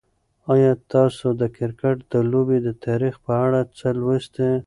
آیا تاسو د کرکټ د لوبې د تاریخ په اړه څه لوستي؟